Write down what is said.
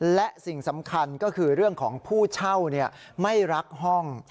และสิ่งสำคัญก็คือเรื่องของผู้เช่าไม่รักห้อง